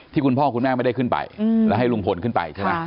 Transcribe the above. ที่คุณพ่อแม่ไม่ได้ขึ้นไปและให้ลุงผลขึ้นไป